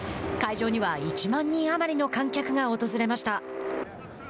会場には１万人余りの観客が訪れました。